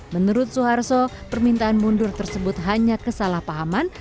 menurut suharto permintaan mundur tersebut hanya kesalahpahaman